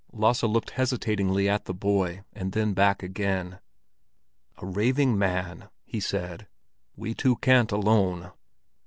Lasse looked hesitatingly at the boy, and then back again. "A raving man?" he said. "We two can't alone."